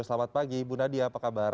selamat pagi bu nadia apa kabar